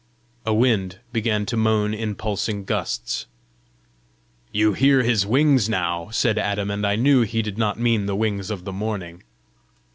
A wind began to moan in pulsing gusts. "You hear his wings now!" said Adam; and I knew he did not mean the wings of the morning.